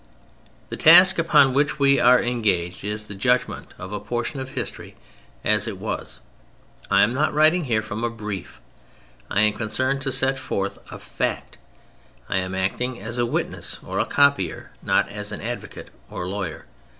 The task upon which we are engaged is the judgment of a portion of history as it was. I am not writing here from a brief. I am concerned to set forth a fact. I am acting as a witness or a copier, not as an advocate or lawyer.